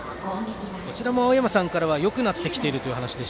こちらも青山さんからはよくなってきているという。